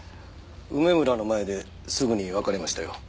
梅むらの前ですぐに別れましたよ。